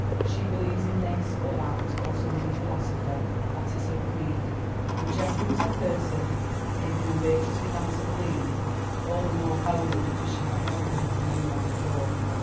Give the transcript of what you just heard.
She believes in This, or That, or some other philosopher: that is her creed. And Geoffrey was the person in whom Beatrice began to believe, all the more wholly because she had never believed in any one before.